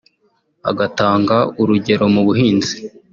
agatanga urugero mu buhinzi